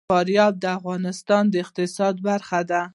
فاریاب د افغانستان د اقتصاد برخه ده.